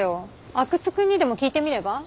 阿久津くんにでも聞いてみれば？